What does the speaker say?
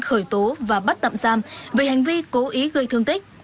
khởi tố và bắt tạm giam về hành vi cố ý gây thương tích